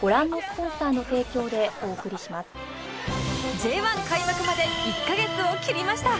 Ｊ１ 開幕まで１カ月を切りました